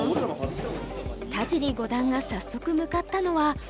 田尻五段が早速向かったのは碁盤の前。